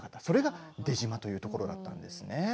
それが出島というところだったんです。